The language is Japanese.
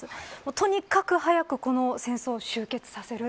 とにかく早くこの戦争を終結させる。